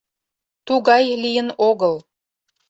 «Тугай лийын огыл».